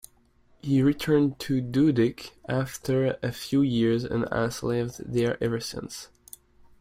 He returned to Dhudike after a few years and has lived there ever since.